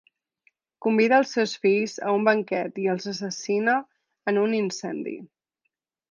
Convida els seus fills a un banquet i els assassina en un incendi.